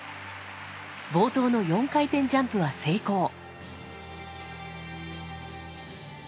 冒頭の４回転ジャンプは成功。